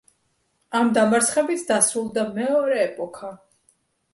ამ დამარცხებით დასრულდა მეორე ეპოქა.